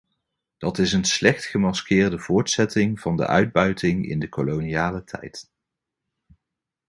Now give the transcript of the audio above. Dat is een slecht gemaskeerde voortzetting van de uitbuiting in de koloniale tijd.